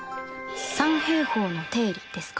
三平方の定理ですか？